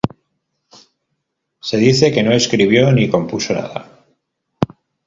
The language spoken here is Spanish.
Se dice que no escribió ni compuso nada.